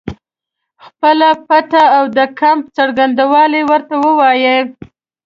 خپله پته او د کمپ څرنګوالی ورته ووایي.